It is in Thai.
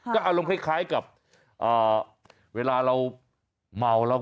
ก็อารมณ์คล้ายกับเวลาเราเมาแล้ว